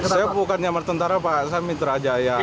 saya bukan nyamar tentara pak saya mitra aja ya